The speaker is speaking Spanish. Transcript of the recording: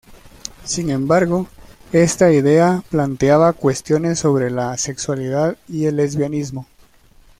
Sin embargo, esta idea planteaba cuestiones sobre la sexualidad y el lesbianismo.